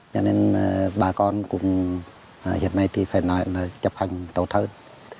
cho nên bà con cũng hiện nay thì phải nói là chấp hành tốt hơn